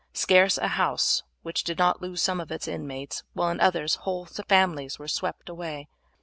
Scarce a house which did not lose some of its inmates, while in others whole families were swept away.